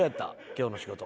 今日の仕事。